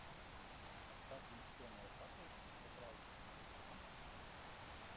Ak tad viņš tomēr pateica, ka braukšu, ja?